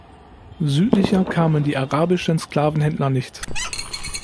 Südlicher kamen die arabischen Sklavenhändler nicht.